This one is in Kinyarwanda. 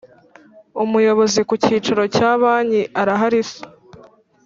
Umuyobozi ku cyicaro cya Banki araharise